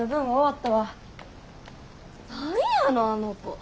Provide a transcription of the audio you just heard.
何やのあの子。